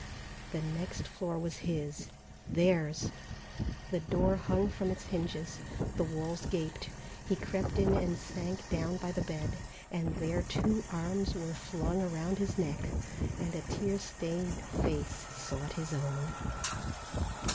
The next floor was his, theirs. The door hung from its hinges, the walls gaped. He crept in and sank down by the bed, and there two arms were flung around his neck, and a tear stained face sought his own.